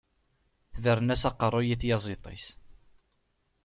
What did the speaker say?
Tebren-as aqeṛṛuy i tyaẓiḍt-is.